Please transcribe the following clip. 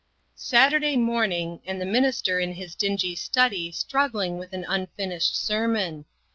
SATURDAY morning, and the minister in his dingy study struggling with an unfinished sermon.